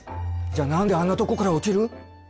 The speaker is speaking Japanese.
じゃあ何であんなとこから落ちる。